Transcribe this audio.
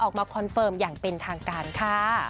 คอนเฟิร์มอย่างเป็นทางการค่ะ